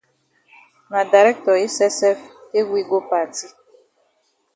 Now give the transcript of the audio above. Na dirctor yi sef sef take we go party.